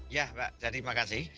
ya mbak jadi makasih